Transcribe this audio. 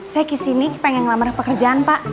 saya kesini pengen ngelamar pekerjaan pak